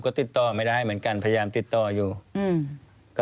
ควิทยาลัยเชียร์สวัสดีครับ